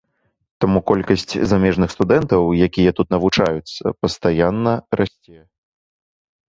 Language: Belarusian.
Таму колькасць замежных студэнтаў, якія тут навучаюцца, пастаянна расце.